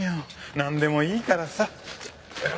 なんでもいいからさ。